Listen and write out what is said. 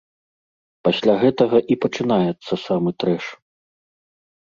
Пасля гэтага і пачынаецца самы трэш.